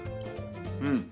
うん。